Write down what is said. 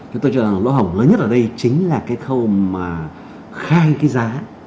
chúng tôi cho rằng lỗ hỏng lớn nhất ở đây chính là cái khâu mà khai cái giá